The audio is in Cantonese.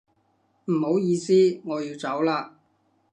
唔好意思，我要走啦